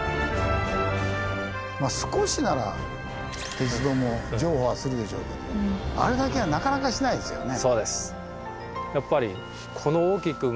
まあ少しなら鉄道も譲歩はするでしょうけどもあれだけはなかなかしないですよね。